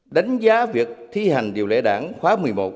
đánh giá việc thi hành điều lệ đảng khóa một mươi một